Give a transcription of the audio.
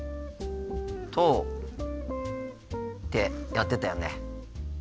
とってやってたよね。